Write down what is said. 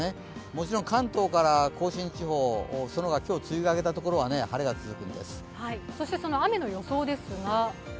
もちろん関東から甲信地方、その他梅雨が明けたところはそして雨の予想ですが？